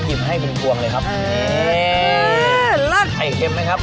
ก็หยิบให้คุณกวงเลยครับนี่แล้วไข่เค็มไหมครับ